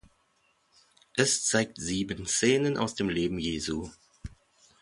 Es zeigt sieben Szenen aus dem Leben Jesu.